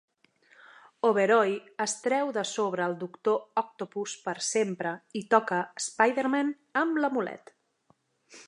Oberoi es treu de sobre el Doctor Octopus per sempre i toca Spiderman amb l'amulet.